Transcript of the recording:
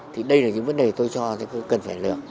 thì đây là những vấn đề tôi cho nên tôi cần phải lựa